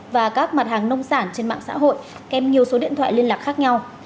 và các mặt hàng nông sản trên mạng xã hội kèm nhiều số điện thoại liên lạc khác nhau